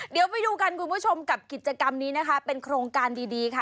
เดี๋ยวไปดูกันคุณผู้ชมกับกิจกรรมนี้นะคะเป็นโครงการดีค่ะ